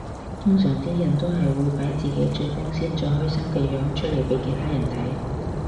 通常啲人都係會擺自己最光鮮最開心嘅樣出嚟俾其他人睇